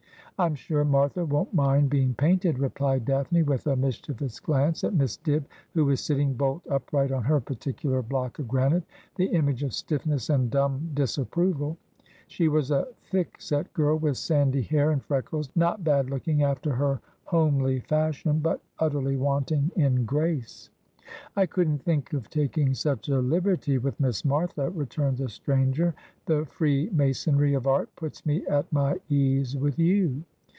'I'm sure Martha won't mind being painted,' replied Daphne, with a mischievous glance at Miss Dibb, who was sitting bolt upright on her particular block of granite, the image of stiffness and dumb disapproval. She was a thick set girl with sandy hair and freckles, not bad looking after her homely fashion, but utterly wanting in grace. ' I couldn't think of taking such a liberty with Miss Martha,' returned the stranger ;' the freemasonry of art puts me at my ease with you.